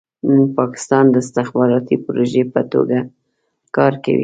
نن پاکستان د استخباراتي پروژې په توګه کار کوي.